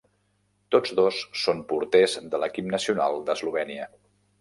Tots dos són porters de l'equip nacional d'Eslovènia.